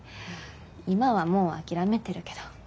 今はもう諦めてるけど。